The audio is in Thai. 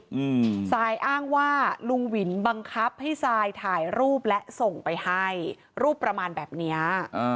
อืมซายอ้างว่าลุงวินบังคับให้ซายถ่ายรูปและส่งไปให้รูปประมาณแบบเนี้ยอ่า